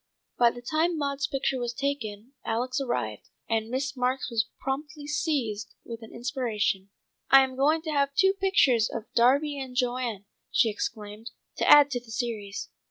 By the time Maud's picture was taken Alex arrived, and Miss Marks was promptly seized with an inspiration. "I am going to have two pictures of Darby and Joan," she exclaimed, "to add to the series.